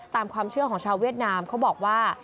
ตามความเชื่อของชาวเวียดนามเขาบอกว่า